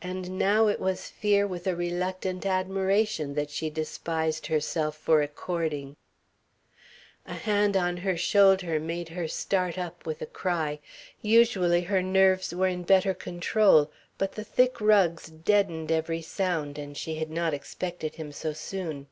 And now it was fear with a reluctant admiration that she despised herself for according. A hand on her shoulder made her start up with a cry. Usually her nerves were in better control, but the thick rugs deadened every sound, and she had not expected him so soon.